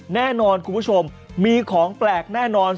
แน่นอนคุณผู้ชมมีของแปลกแน่นอน